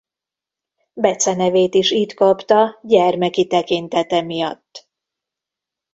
Becenevét is itt kapta gyermeki tekintete miatt.